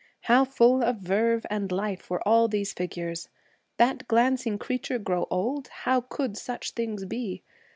How full of verve and life were all these figures! That glancing creature grow old? How could such things be!